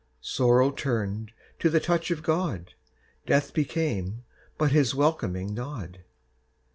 Sorrow turned to the touch of God, Death became but His welcoming nod.